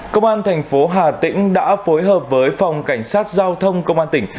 công an thành phố hà tĩnh đã phối hợp với phòng cảnh sát giao thông công an tỉnh